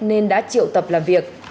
nên đã triệu tập làm việc